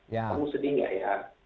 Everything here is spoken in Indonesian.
kamu sedih nggak ya